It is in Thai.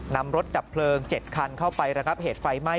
นำรถดับเพลิง๗คันเข้าไประงับเหตุไฟไหม้